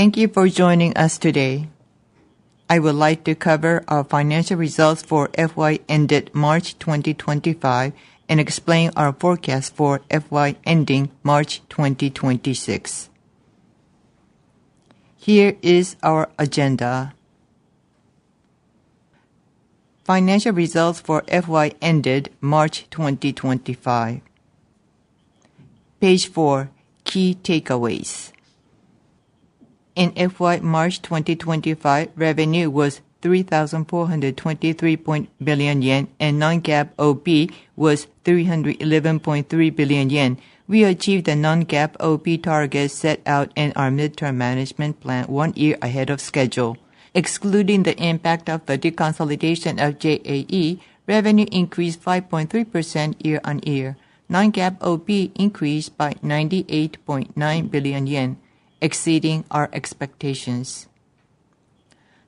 Thank you for joining us today. I would like to cover our financial results for FY ended March 2025 and explain our forecast for FY ending March 2026. Here is our agenda. Financial results for FY ended March 2025. Page 4, key takeaways. In FY March 2025, revenue was 3,423.8 billion yen and non-GAAP OP was 311.3 billion yen. We achieved the non-GAAP OP target set out in our midterm management plan one year ahead of schedule. Excluding the impact of the deconsolidation of JAE, revenue increased 5.3% year on year. Non-GAAP OP increased by 98.9 billion yen, exceeding our expectations.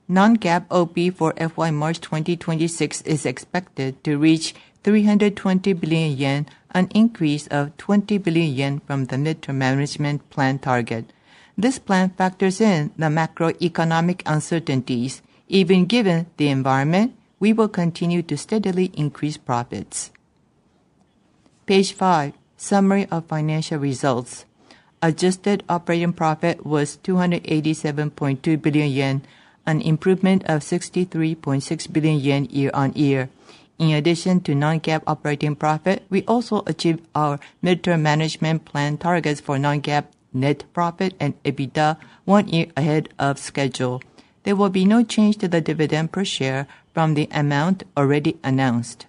Non-GAAP OP for FY March 2026 is expected to reach 320 billion yen, an increase of 20 billion yen from the midterm management plan target. This plan factors in the macroeconomic uncertainties. Even given the environment, we will continue to steadily increase profits. Page 5, summary of financial results. Adjusted operating profit was 287.2 billion yen, an improvement of 63.6 billion yen year on year. In addition to non-GAAP operating profit, we also achieved our midterm management plan targets for non-GAAP net profit and EBITDA one year ahead of schedule. There will be no change to the dividend per share from the amount already announced.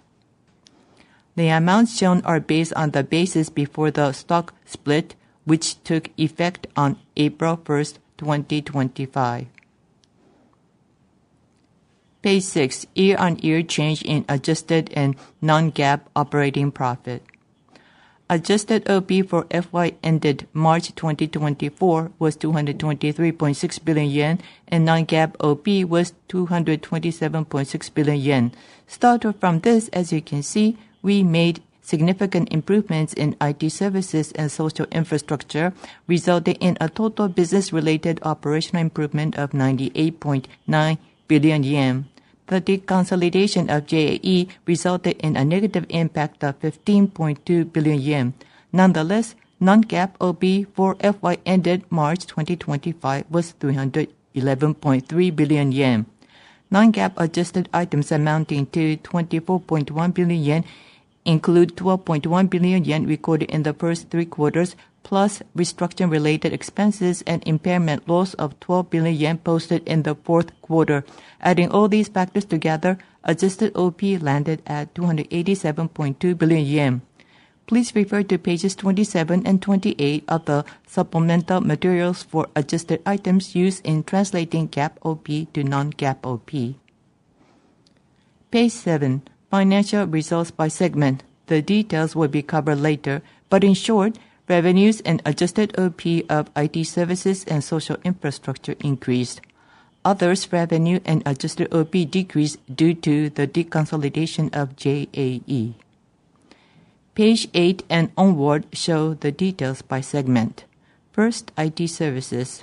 The amounts shown are based on the basis before the stock split, which took effect on April 1st, 2025. Page 6, year on year change in adjusted and non-GAAP operating profit. Adjusted OP for fiscal year ended March 2024 was 223.6 billion yen and non-GAAP OP was 227.6 billion yen. Started from this, as you can see, we made significant improvements in IT services and social infrastructure, resulting in a total business-related operational improvement of 98.9 billion yen. The deconsolidation of JAE resulted in a negative impact of 15.2 billion yen. Nonetheless, non-GAAP OP for FY ended March 2025 was 311.3 billion yen. Non-GAAP adjusted items amounting to 24.1 billion yen include 12.1 billion yen recorded in the first three quarters, plus restructuring-related expenses and impairment loss of 12 billion yen posted in the fourth quarter. Adding all these factors together, adjusted OP landed at 287.2 billion yen. Please refer to pages 27 and 28 of the supplemental materials for adjusted items used in translating GAAP OP to non-GAAP OP. Page 7, financial results by segment. The details will be covered later, but in short, revenues and adjusted OP of IT services and social infrastructure increased. Others' revenue and adjusted OP decreased due to the deconsolidation of JAE. Page 8 and onward show the details by segment. First, IT services.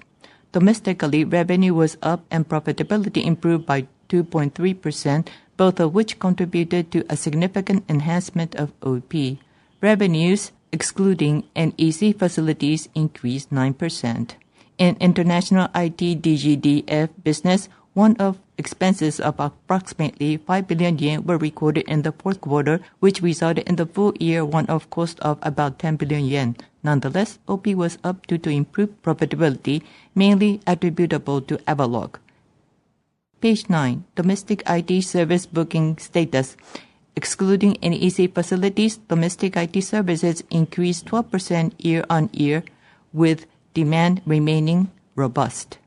Domestically, revenue was up and profitability improved by 2.3%, both of which contributed to a significant enhancement of OP. Revenues, excluding NEC Facilities, increased 9%. In international IT DG/DF business, one-off expenses of approximately 5 billion yen were recorded in the fourth quarter, which resulted in the full year one-off cost of about 10 billion yen. Nonetheless, OP was up due to improved profitability, mainly attributable to Avaloq. Page 9, domestic IT service booking status. Excluding NEC Facilities, domestic IT services increased 12% year on year, with demand remaining robust.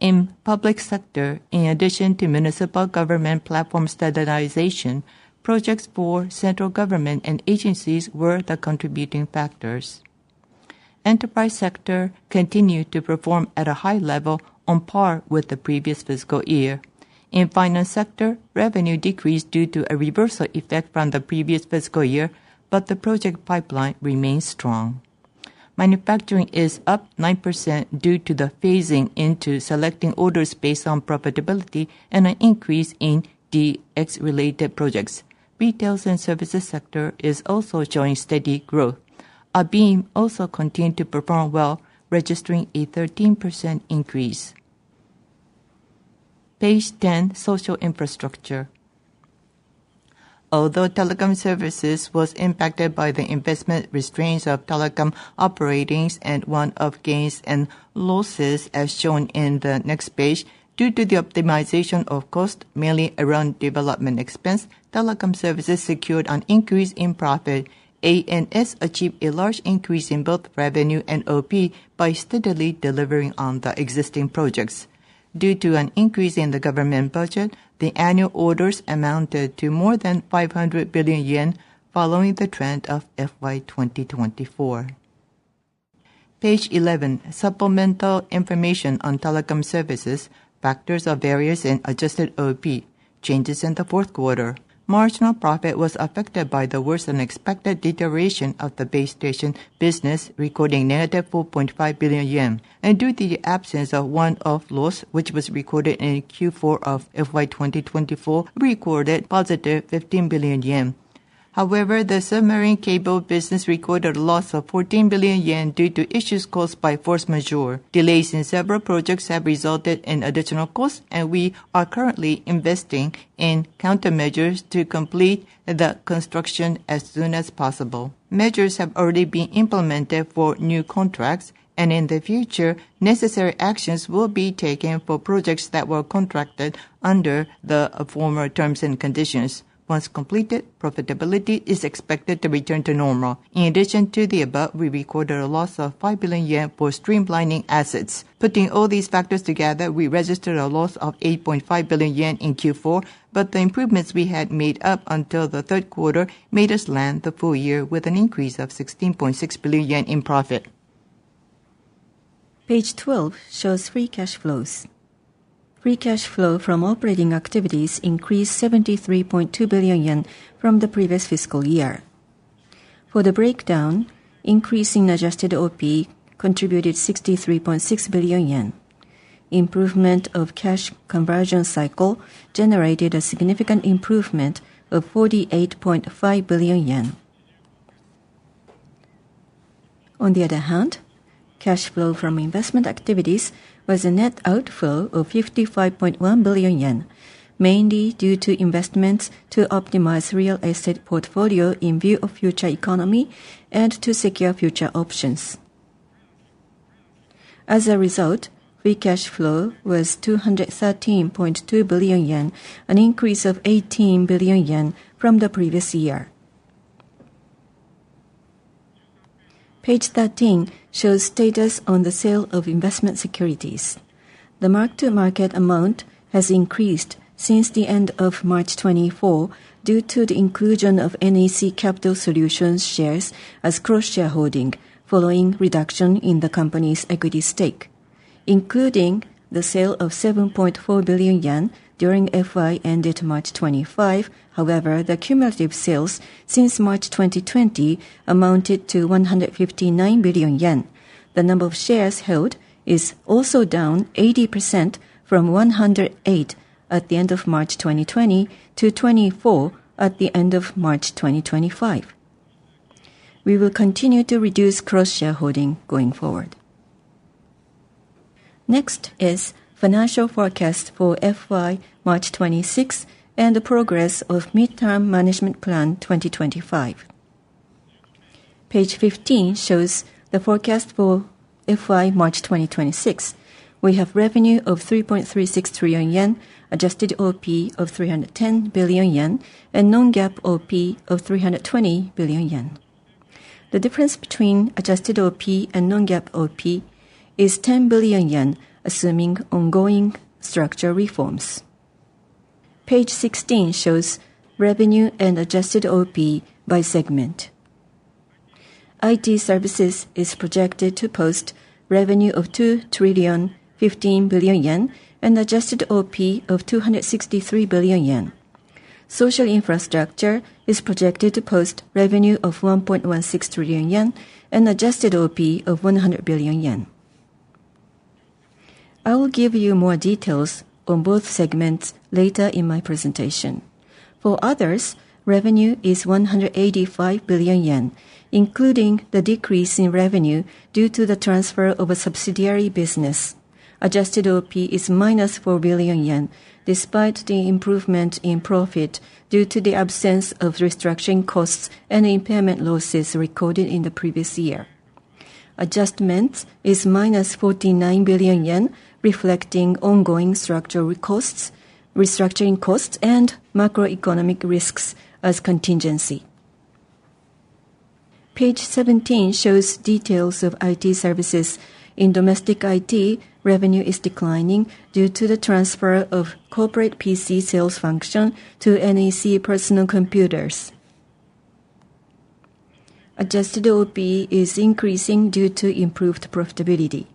In public sector, in addition to municipal government platform standardization, projects for central government and agencies were the contributing factors. Enterprise sector continued to perform at a high level, on par with the previous fiscal year. In finance sector, revenue decreased due to a reversal effect from the previous fiscal year, but the project pipeline remains strong. Manufacturing is up 9% due to the phasing into selecting orders based on profitability and an increase in DX-related projects. Retail and services sector is also showing steady growth. ABeam also continued to perform well, registering a 13% increase. Page 10, social infrastructure. Although telecom services was impacted by the investment restraints of telecom operators and one-off gains and losses, as shown in the next page, due to the optimization of cost, mainly around development expense, telecom services secured an increase in profit. ANS achieved a large increase in both revenue and OP by steadily delivering on the existing projects. Due to an increase in the government budget, the annual orders amounted to more than 500 billion yen, following the trend of FY2024. Page 11, supplemental information on telecom services, factors of barriers in adjusted OP, changes in the fourth quarter. Marginal profit was affected by the worse than expected deterioration of the base station business, recording negative 4.5 billion yen. Due to the absence of one-off loss, which was recorded in Q4 of FY2024, we recorded positive 15 billion yen. However, the submarine cable business recorded a loss of 14 billion yen due to issues caused by force majeure. Delays in several projects have resulted in additional costs, and we are currently investing in countermeasures to complete the construction as soon as possible. Measures have already been implemented for new contracts, and in the future, necessary actions will be taken for projects that were contracted under the former terms and conditions. Once completed, profitability is expected to return to normal. In addition to the above, we recorded a loss of 5 billion yen for streamlining assets. Putting all these factors together, we registered a loss of 8.5 billion yen in Q4, but the improvements we had made up until the third quarter made us land the full year with an increase of JPY 16.6 billion in profit. Page 12 shows free cash flows. Free cash flow from operating activities increased 73.2 billion yen from the previous fiscal year. For the breakdown, increase in adjusted OP contributed 63.6 billion yen. Improvement of cash conversion cycle generated a significant improvement of 48.5 billion yen. On the other hand, cash flow from investment activities was a net outflow of 55.1 billion yen, mainly due to investments to optimize real estate portfolio in view of future economy and to secure future options. As a result, free cash flow was 213.2 billion yen, an increase of 18 billion yen from the previous year. Page 13 shows status on the sale of investment securities. The mark-to-market amount has increased since the end of March 2024 due to the inclusion of NEC Capital Solutions shares as cross-shareholding, following reduction in the company's equity stake. Including the sale of 7.4 billion yen during FY ended March 2025, however, the cumulative sales since March 2020 amounted to 159 billion yen. The number of shares held is also down 80% from 108 at the end of March 2020 to 2024 at the end of March 2025. We will continue to reduce cross-shareholding going forward. Next is financial forecast for FY March 2026 and the progress of midterm management plan 2025. Page 15 shows the forecast for FY March 2026. We have revenue of 3.36 trillion yen, adjusted OP of 310 billion yen, and non-GAAP OP of 320 billion yen. The difference between adjusted OP and non-GAAP OP is 10 billion yen, assuming ongoing structure reforms. Page 16 shows revenue and adjusted OP by segment. IT services is projected to post revenue of 2 trillion, 15 billion yen, and adjusted OP of 263 billion yen. Social infrastructure is projected to post revenue of 1.16 trillion yen and adjusted OP of 100 billion yen. I will give you more details on both segments later in my presentation. For others, revenue is 185 billion yen, including the decrease in revenue due to the transfer of a subsidiary business. Adjusted OP is 4 billion yen, despite the improvement in profit due to the absence of restructuring costs and impairment losses recorded in the previous year. Adjustment is 49 billion yen, reflecting ongoing structural costs, restructuring costs, and macroeconomic risks as contingency. Page 17 shows details of IT services. In domestic IT, revenue is declining due to the transfer of corporate PC sales function to NEC Personal Computers. Adjusted OP is increasing due to improved profitability.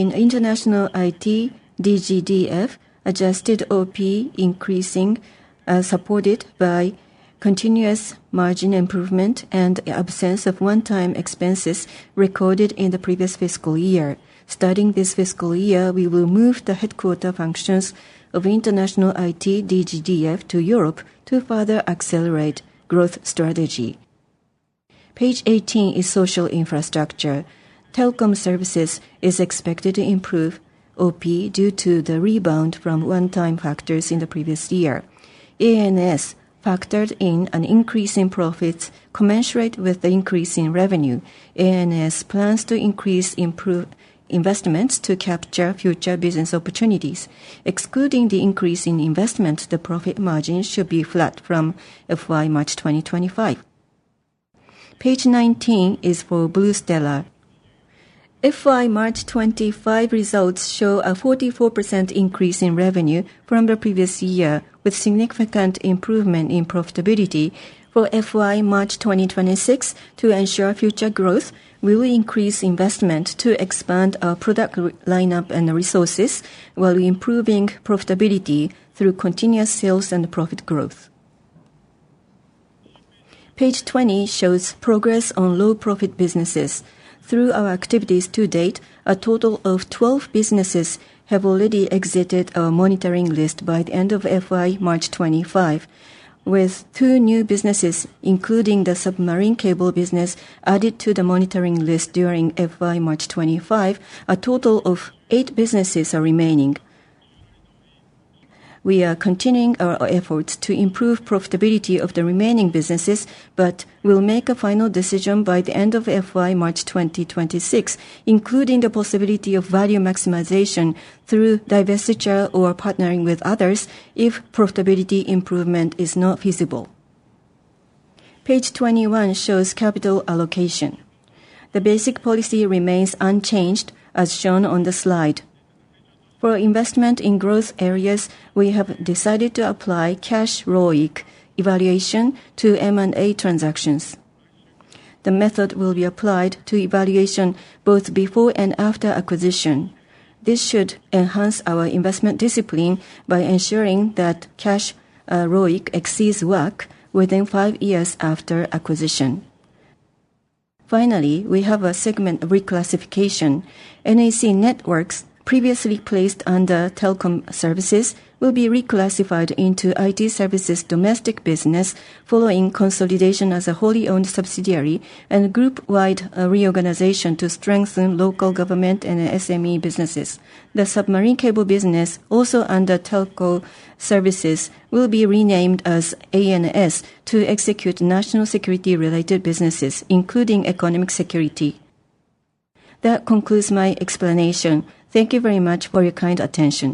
In international IT DG/DF, adjusted OP increasing as supported by continuous margin improvement and absence of one-time expenses recorded in the previous fiscal year. Starting this fiscal year, we will move the headquarter functions of international IT DG/DF to Europe to further accelerate growth strategy. Page 18 is social infrastructure. Telecom services is expected to improve OP due to the rebound from one-time factors in the previous year. ANS factored in an increase in profits commensurate with the increase in revenue. ANS plans to increase improved investments to capture future business opportunities. Excluding the increase in investment, the profit margin should be flat from FY March 2025. Page 19 is for BluStellar. FY March 2025 results show a 44% increase in revenue from the previous year, with significant improvement in profitability. For FY March 2026, to ensure future growth, we will increase investment to expand our product lineup and resources, while improving profitability through continuous sales and profit growth. Page 20 shows progress on low-profit businesses. Through our activities to date, a total of 12 businesses have already exited our monitoring list by the end of FY March 2025. With two new businesses, including the submarine cable business, added to the monitoring list during FY March 2025, a total of eight businesses are remaining. We are continuing our efforts to improve profitability of the remaining businesses, but we'll make a final decision by the end of FY March 2026, including the possibility of value maximization through divestiture or partnering with others if profitability improvement is not feasible. Page 21 shows capital allocation. The basic policy remains unchanged, as shown on the slide. For investment in growth areas, we have decided to apply cash ROIC evaluation to M&A transactions. The method will be applied to evaluation both before and after acquisition. This should enhance our investment discipline by ensuring that cash ROIC exceeds WACC within five years after acquisition. Finally, we have a segment reclassification. NEC Networks, previously placed under telecom services, will be reclassified into IT services domestic business following consolidation as a wholly owned subsidiary and group-wide reorganization to strengthen local government and SME businesses. The submarine cable business, also under telecom services, will be renamed as ANS to execute national security-related businesses, including economic security. That concludes my explanation. Thank you very much for your kind attention.